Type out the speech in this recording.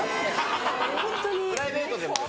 ・プライベートでも？